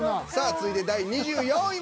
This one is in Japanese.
続いて第２４位は。